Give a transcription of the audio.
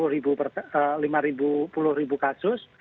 lima puluh ribu per lima ribu sepuluh ribu kasus